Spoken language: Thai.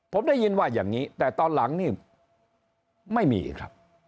ผมได้ยินว่าอย่างนี้แต่ตอนหลังนี่ไม่มีครับ